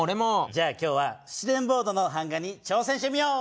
じゃあ今日はスチレンボードの版画にちょう戦してみよう。